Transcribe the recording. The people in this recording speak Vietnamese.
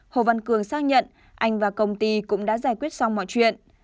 hồ văn cường xác nhận anh và công ty cũng đã giải quyết xong mọi chuyện